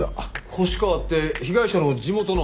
星川って被害者の地元の？